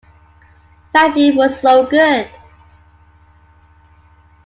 Matthew was so good.